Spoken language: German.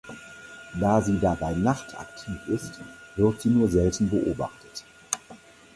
Da sie dabei nachtaktiv ist, wird sie nur selten beobachtet.